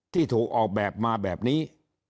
ที่ถูกออกแบบมาแบบนี้